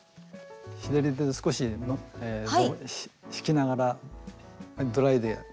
左手で少し引きながらドライでやる。